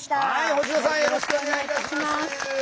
星野さんよろしくお願いいたします。